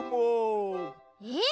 えっ！？